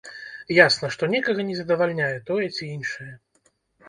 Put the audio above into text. Ясна, што некага не задавальняе тое ці іншае.